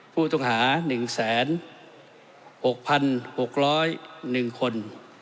ผู้ต้องหา๑๖๖๐๑คน